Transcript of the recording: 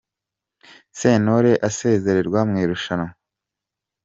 Sentore asezererwa mw’irushanwa